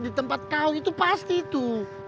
di tempat kau itu pasti itu